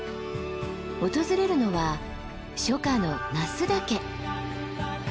訪れるのは初夏の那須岳。